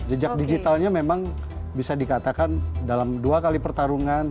jejak digitalnya memang bisa dikatakan dalam dua kali pertarungan